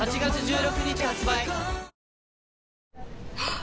あ！